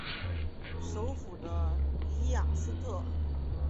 首府的里雅斯特。